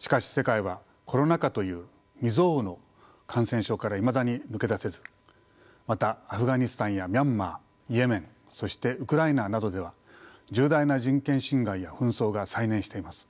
しかし世界はコロナ禍という未曽有の感染症からいまだに抜け出せずまたアフガニスタンやミャンマーイエメンそしてウクライナなどでは重大な人権侵害や紛争が再燃しています。